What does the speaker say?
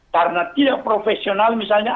karena tidak profesional misalnya